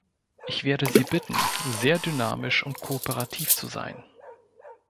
Ich werde Sie bitten, sehr dynamisch und kooperativ zu sein.